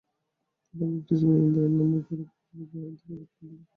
পতেঙ্গায় একটি জমি বায়নানামা করে যুবক গ্রাহকদের কাছে প্লট বরাদ্দ দিয়েছিল।